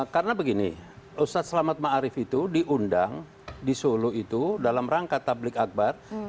karena begini ustadz selamat ma'arif itu diundang di solo itu dalam rangka tablik akbar